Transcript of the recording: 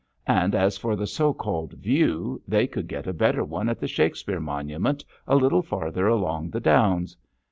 And as for the so called view, they could get a better one at the Shakespeare Monument a little farther along the downs.